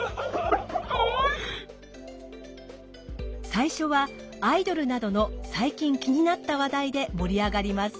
最初はアイドルなどの最近気になった話題で盛り上がります。